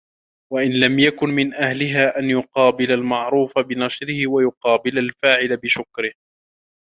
وَإِنْ لَمْ يَكُنْ مِنْ أَهْلِهَا أَنْ يُقَابِلَ الْمَعْرُوفَ بِنَشْرِهِ ، وَيُقَابِلَ الْفَاعِلَ بِشُكْرِهِ